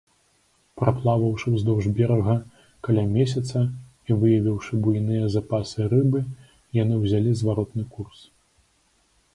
Праплаваўшы ўздоўж берага каля месяца і выявіўшы буйныя запасы рыбы, яны ўзялі зваротны курс.